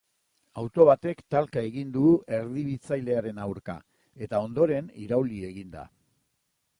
Auto batek talka egin du erdibitzailearen aurka, eta ondoren irauli egin da.